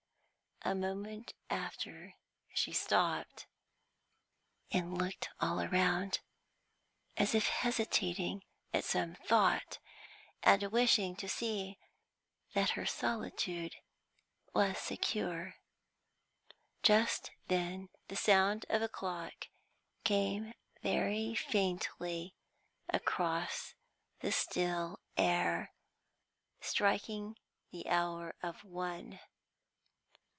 A moment after she stopped, and looked all around, as if hesitating at some thought, and wishing to see that her solitude was secure. Just then the sound of a clock came very faintly across the still air, striking the hour of one.